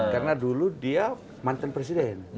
karena dulu dia mantan presiden